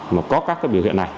mà có các biểu hiện này